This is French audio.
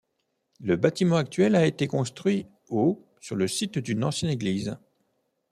Le bâtiment actuel a été construit au sur le site d'une ancienne église.